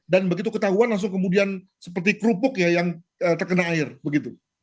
dan begitu ketahuan langsung kemudian seperti kerupuk ya yang terkena air begitu